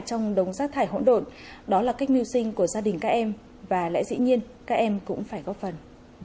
trong đống rác thải hỗn độn đó là cách mưu sinh của gia đình các em và lẽ dĩ nhiên các em cũng phải góp phần